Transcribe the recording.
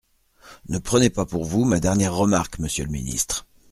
Ne prenez pas pour vous ma dernière remarque, monsieur le ministre.